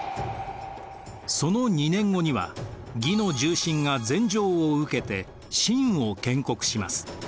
その２年後には魏の重臣が禅譲を受けて晋を建国します。